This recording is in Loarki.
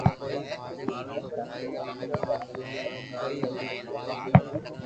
ڪالي مي پري رات درزو رو ڪوم ڪريو